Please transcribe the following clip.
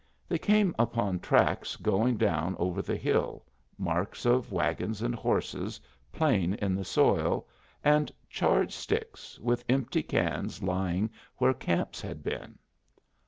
They came upon tracks going down over the hill, marks of wagons and horses, plain in the soil, and charred sticks, with empty cans, lying where camps had been.